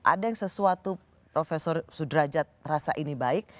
ada yang sesuatu profesor sudrajat rasa ini baik